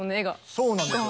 そうなんですよ。